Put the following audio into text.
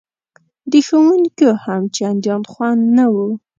د ښوونکیو هم چندان خوند نه و.